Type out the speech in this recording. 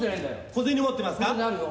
小銭持ってますか？